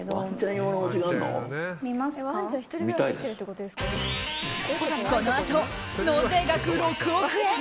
このあと納税額６億円